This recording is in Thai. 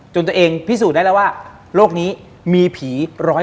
ตัวเองพิสูจน์ได้แล้วว่าโลกนี้มีผี๑๐๐